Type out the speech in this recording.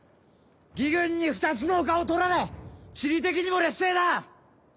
魏軍に２つの丘を取られ地理的にも劣勢だ！